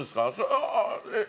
あっえっ？